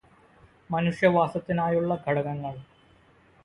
മനുഷ്യവാസത്തിനായുള്ള ഘടകങ്ങള്